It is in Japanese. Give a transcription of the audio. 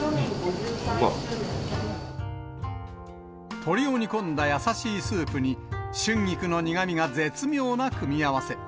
とりを煮込んだ優しいスープに、春菊の苦みが絶妙な組み合わせ。